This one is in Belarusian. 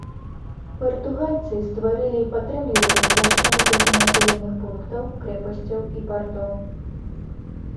Партугальцы стварылі і падтрымлівалі яшчэ некалькі населеных пунктаў, крэпасцяў і партоў.